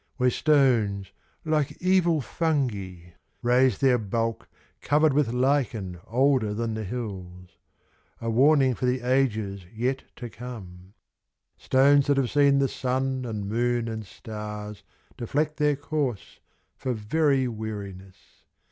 Where stones like evil fungi raise their bulk Cover 'd with lichen older than the hills — A warning for the ages yet to come ; Stones that have seen the sun and moon and stars Deflect their course for very weariness.